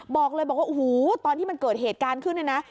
บอกเลยว่าอู๋ตอนที่มันเกิดเหตุการณ์ขึ้นเลยนะ